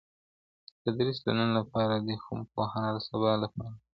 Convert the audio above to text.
تدریس د نن لپاره دی خو پوهنه د سبا لپاره ده.